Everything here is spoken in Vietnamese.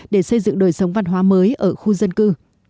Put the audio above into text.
để xây dựng đời sống văn hóa mới ở khu dân cư